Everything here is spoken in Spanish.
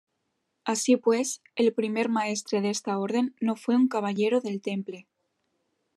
Así pues, el primer maestre de esta Orden no fue un caballero del Temple.